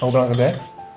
aku balik ke beda ya